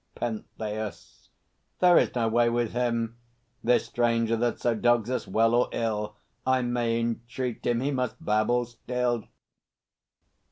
PENTHEUS. There is no way with him, This stranger that so dogs us! Well or ill I may entreat him, he must babble still!